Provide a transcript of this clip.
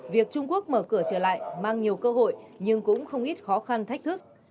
việc trung quốc mở cửa trở lại mang nhiều cơ hội nhưng cũng không ít khó khăn thách thức